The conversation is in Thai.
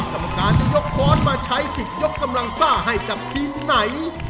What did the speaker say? กรรมการจะยกคอร์สมาใช้สิ่งยกกำลังซ่าให้จับทีไหน